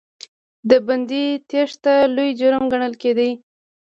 د بندي تېښته لوی جرم ګڼل کېده.